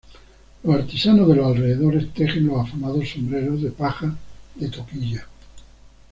Los artesanos de los alrededores tejen los afamados sombreros de paja de toquilla.